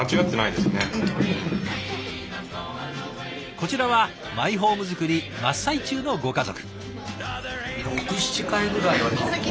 こちらはマイホームづくり真っ最中のご家族。